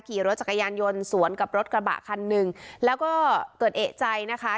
ขี่รถจักรยานยนต์สวนกับรถกระบะคันหนึ่งแล้วก็เกิดเอกใจนะคะ